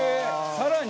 「さらに？」